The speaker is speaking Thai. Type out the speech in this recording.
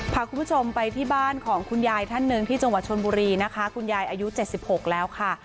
พาคุณผู้ชมไปที่บ้านของคุณยายท่านหนึ่งที่จังหวัดชนบุรีนะคะคุณยายอายุ๗๖แล้วค่ะ